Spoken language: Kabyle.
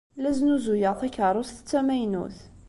La snuzuyeɣ takeṛṛust d tamaynut.